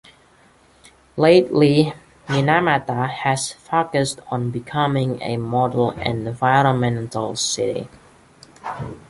Lately, Minamata has focused on becoming a model environmental city.